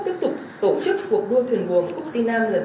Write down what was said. trái với thỏa thuận về những nguyên tắc cơ bản